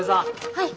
はい。